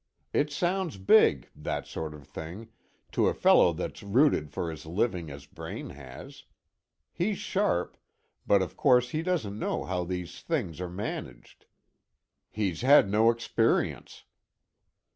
It sounds big, that sort of thing, to a fellow that's rooted for his living as Braine has. He's sharp, but of course he doesn't know how these things are managed. He's had no experience."